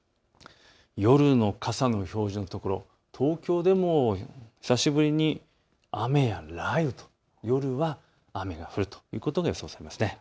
夜の傘の表示の所、東京でも久しぶりに雨や雷雨と夜は雨が降るということが予想されます。